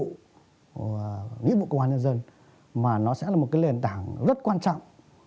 của nghiệp vụ công an nhân dân mà nó sẽ là một cái lền tảng rất quan trọng